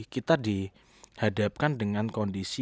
kita dihadapkan dengan kondisi